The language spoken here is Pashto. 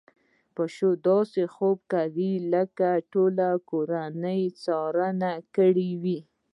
پيشو داسې خوب کوي لکه د ټولې کورنۍ څارنه يې کړې وي.